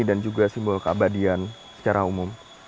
dan juga simbol keabadian secara umum